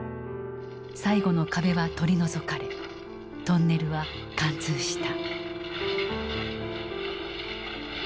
最後の壁は取り除かれトンネルは貫通した。